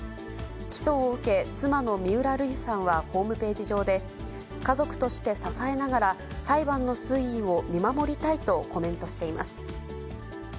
起訴を受け、妻の三浦瑠麗さんはホームページ上で、家族として支えながら、裁判の推移を見守りたいとコメントしています。